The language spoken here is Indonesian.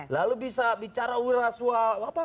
lalu bisa bicara wira suah apa